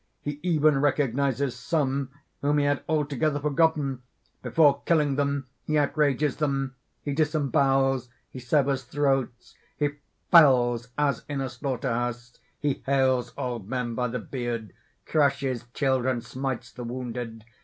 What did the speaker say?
He even recognizes some whom he had altogether forgotten; before killing them he outrages them. He disembowels he severs throats he fells as in a slaughter house he hales old men by the beard, crushes children, smites the wounded.